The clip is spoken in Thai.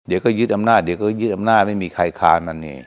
เดี๋ยวก็ยึดอำนาจเดี๋ยวก็ยึดอำนาจไม่มีใครทานนั่นเอง